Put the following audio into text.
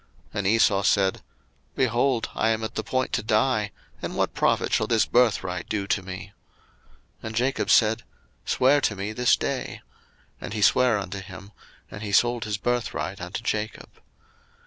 01:025:032 And Esau said, Behold, I am at the point to die: and what profit shall this birthright do to me? 01:025:033 And Jacob said, Swear to me this day; and he sware unto him: and he sold his birthright unto Jacob.